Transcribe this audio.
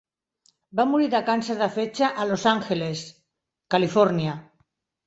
Va morir de càncer de fetge a Los Angeles, Califòrnia.